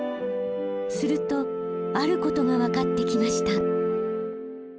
するとあることがわかってきました。